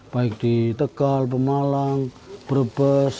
baik di tegal pemalang brebes